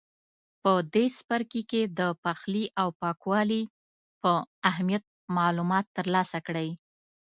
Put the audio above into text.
په دې څپرکي کې د پخلي او پاکوالي په اهمیت معلومات ترلاسه کړئ.